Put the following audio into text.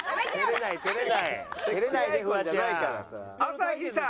朝日さん。